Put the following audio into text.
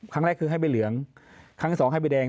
ครั้งแรกคือให้เป็นเหลืองครั้งสองให้เป็นแดง